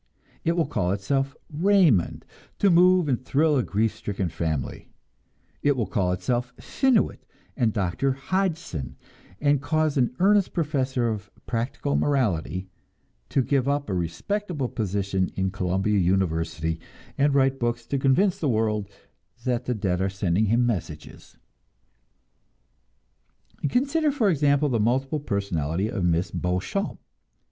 It will call itself "Raymond" to move and thrill a grief stricken family; it will call itself "Phinuit" and "Dr. Hodgson," and cause an earnest professor of "practical morality" to give up a respectable position in Columbia University and write books to convince the world that the dead are sending him messages. Consider, for example, the multiple personality of Miss Beauchamp.